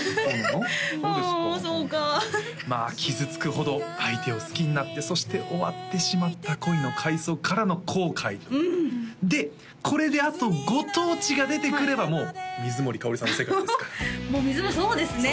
うんそうかまあ傷つくほど相手を好きになってそして終わってしまった恋の回想からの後悔でこれであとご当地が出てくればもう水森かおりさんの世界ですからもうそうですね